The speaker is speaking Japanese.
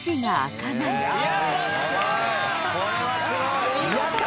これはすごい！